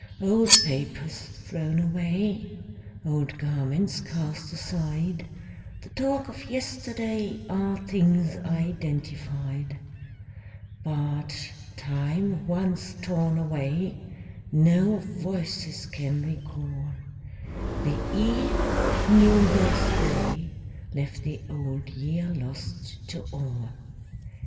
Old papers thrown away, Old garments cast aside, The talk of yesterday, Are things identified; But time once torn away No voices can recall: The eve of New Year's Day Left the Old Year lost to all.